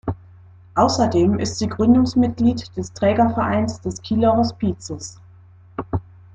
Außerdem ist sie Gründungsmitglied des Trägervereins des Kieler Hospizes.